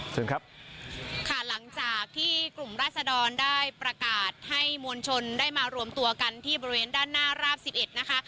เชิญครับค่ะหลังจากที่กลุ่มราศดรได้ประกาศให้มวลชนได้มารวมตัวกันที่บริเวณด้านหน้าราบสิบเอ็ดนะคะ